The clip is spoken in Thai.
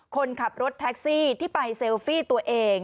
คนขับรถแท็กซี่ที่ไปเซลฟี่ตัวเอง